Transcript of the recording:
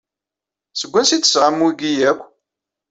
Seg wansi ay d-tesɣam wi akk?